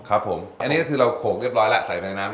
ครับผมอันนี้คือเราโขลกเรียบร้อยแล้วใส่ไปในน้ำเรียบร้อย